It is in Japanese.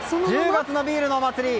１０月のビールのお祭り